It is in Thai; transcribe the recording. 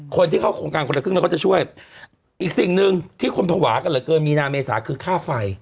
คนที่เข้าโครงการคนละครึ่งแล้วเขาจะช่วยอีกสิ่งหนึ่งที่คนภาวะกันเหลือเกินมีนาเมษาคือค่าไฟ